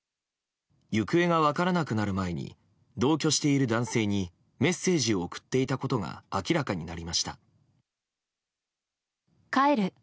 行方が分からなくなる前に同居している男性にメッセージを送っていたことが明らかになりました。